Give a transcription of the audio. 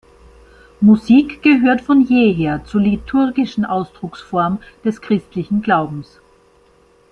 Musik gehört von jeher zur liturgischen Ausdrucksform des christlichen Glaubens.